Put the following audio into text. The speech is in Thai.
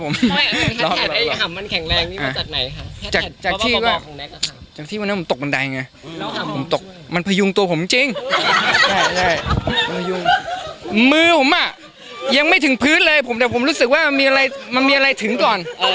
แม่ชอบผู้หญิงแหละไหน